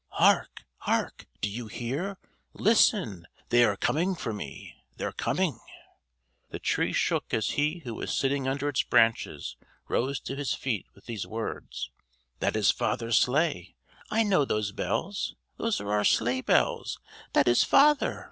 "Hark, hark! Do you hear! Listen! They are coming for me! They're coming!" The Tree shook as he who was sitting under its branches rose to his feet with these words. "That is father's sleigh: I know those bells: those are our sleigh bells. That is father!"